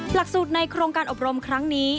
หลักสูตรในโครงการอบรมครั้งนี้